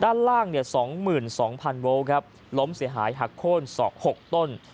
ด้านล่าง๒๒๐๐๐โวลครับล้มเสียหายหักโค้น๖ต้น